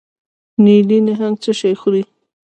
نیلي نهنګ څه شی خوري؟